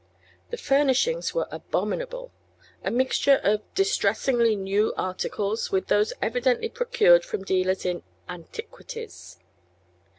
The furnishings were abominable, a mixture of distressingly new articles with those evidently procured from dealers in "antiquities."